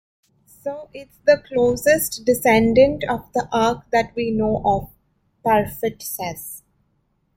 "So it's the closest descendant of the Ark that we know of," Parfitt says.